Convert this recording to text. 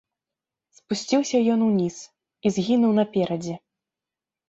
Спусціўся ён уніз і згінуў наперадзе.